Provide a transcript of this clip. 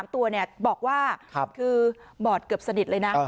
๓ตัวบอกว่าคือบอดเกือบสนิทเลยนะ